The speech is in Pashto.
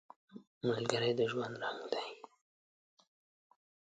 ملګری د ژوند رنګ دی